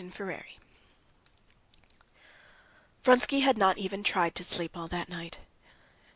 Chapter 31 Vronsky had not even tried to sleep all that night.